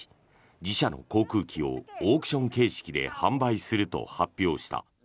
自社の航空機をオークション形式で販売すると発表した。